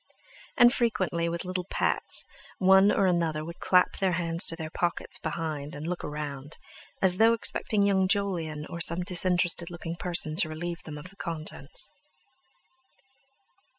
And frequently, with little pats, one or another would clap their hands to their pockets behind and look round, as though expecting young Jolyon or some disinterested looking person to relieve them of the contents.